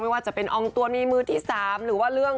ไม่ว่าจะเป็นองค์ตัวมีมือที่สาม